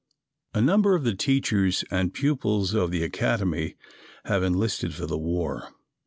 _ A number of the teachers and pupils of the Academy have enlisted for the war.